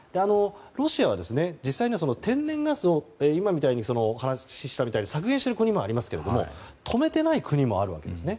ロシアは実際には天然ガスを今お話ししたみたいに削減している国もありますけど止めてない国もあるわけですね。